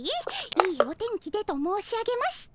いいお天気でと申し上げました。